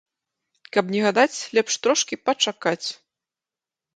Каб не гадаць, лепш трошкі пачакаць.